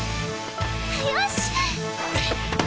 よし！